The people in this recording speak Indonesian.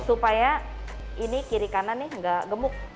supaya ini kiri kanan nih nggak gemuk